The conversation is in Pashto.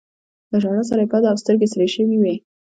له ژړا سره يې پزه او سترګې سرې شوي وې.